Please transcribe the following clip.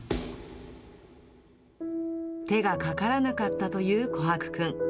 手がかからなかったというコハクくん。